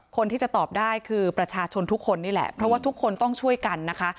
คนที่จะตอบได้คือประชาชนทุกคนนี่แหละเพราะว่าทุกคนต้องช่วยกันนะคะ